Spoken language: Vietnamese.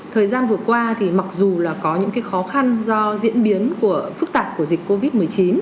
thời gian vừa qua thì mặc dù là có những khó khăn do diễn biến của phức tạp của dịch covid một mươi chín